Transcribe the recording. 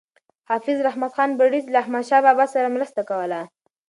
حافظ رحمت خان بړیڅ له احمدشاه بابا سره مرسته کوله.